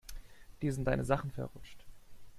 Dir sind deine Sachen verrutscht.